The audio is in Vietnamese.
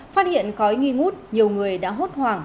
phát hiện có ý nghi ngút nhiều người đã hốt hoảng